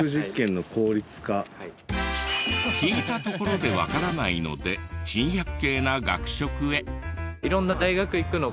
聞いたところでわからないので珍百景な学食へ。